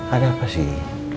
ada apa sih